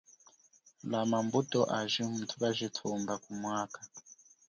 Lama mbuto aji muthukajithumba ku mwaka.